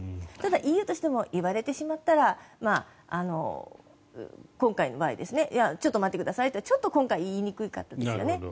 ただ、ＥＵとしてもいわれてしまったら今回の場合ちょっと待ってくださいと今回は言いにくかったですよね。